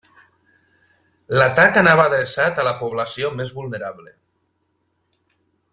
L'atac anava adreçat a la població més vulnerable.